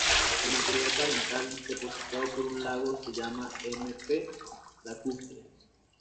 El material parental depositado por un lago se llama m. p. lacustre.